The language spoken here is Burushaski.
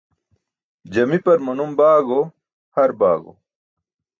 Jamipar manum baago har baago.